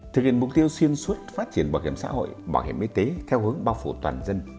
thực hiện mục tiêu xuyên suốt phát triển bảo hiểm xã hội bảo hiểm y tế theo hướng bao phủ toàn dân